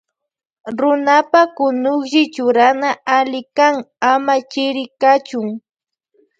Runapa kunuklli churana alli kan ama chiri kachun.